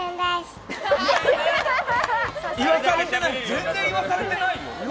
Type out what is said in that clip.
全然言わされてないよ。